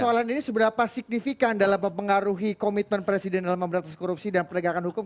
persoalan ini seberapa signifikan dalam mempengaruhi komitmen presiden dalam memberatas korupsi dan penegakan hukum